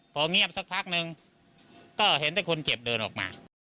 พอเงียบสักพักนึงก็เห็นแต่คนเจ็บเดินออกมา